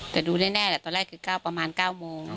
แต่ดูแน่แหละตอนแรกคือ๙ประมาณ๙โมง